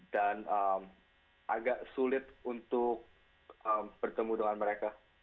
dan agak sulit untuk bertemu dengan mereka